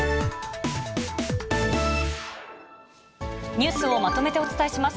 ニュースをまとめてお伝えします。